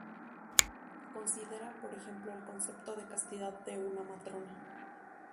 Considera por ejemplo el concepto de castidad de una matrona.